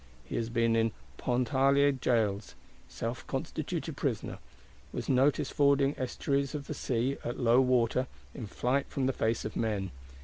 He has been in Pontarlier Jails (self constituted prisoner); was noticed fording estuaries of the sea (at low water), in flight from the face of men.